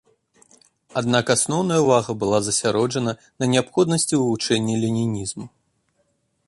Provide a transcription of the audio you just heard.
Аднак асноўная ўвага была засяроджана на неабходнасці вывучэння ленінізму.